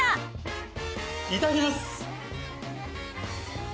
いただきます！